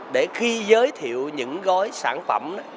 để khi giới thiệu những gói sản phẩm